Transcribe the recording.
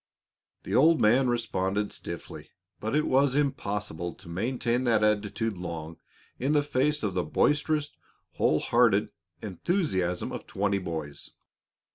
The old man responded stiffly, but it was impossible to maintain that attitude long in the face of the boisterous, whole hearted enthusiasm of twenty boys.